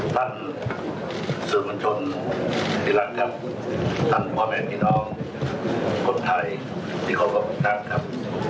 ท่านสื่อมัญชนที่รักครับท่านพ่อแม่พี่น้องคนไทยที่คนปกตินะครับ